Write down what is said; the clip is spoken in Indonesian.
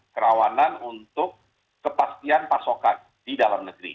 kerawanan untuk kepastian pasokan